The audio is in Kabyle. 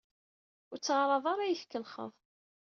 Ur ttɛaraḍ ara ad yi-tkellxeḍ!